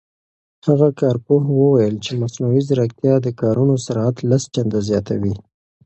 هغه کارپوه وویل چې مصنوعي ځیرکتیا د کارونو سرعت لس چنده زیاتوي.